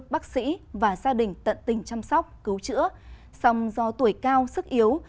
bác sĩ và gia đình tận tình chăm sóc cứu chữa song do tuổi cao sức yếu